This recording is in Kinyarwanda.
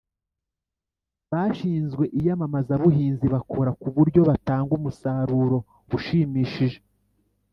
bashinzwe iyamamazabuhinzi bakora ku buryo batanga umusaruro ushimishije.